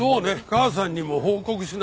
母さんにも報告しないとな。